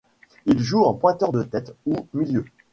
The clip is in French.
Il joue en pointeur de tête ou milieu.